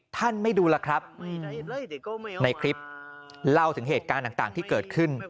ท่านไม่ดูล่ะครับในคลิปเล่าถึงเหตุการณ์ต่างที่เกิดขึ้น